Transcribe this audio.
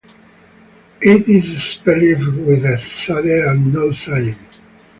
It is spelled with a tsade and not zayin.